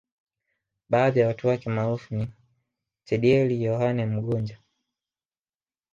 Baadhi ya watu wake maarufu niChedieli Yohane Mgonja